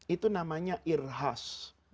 itu namanya irhas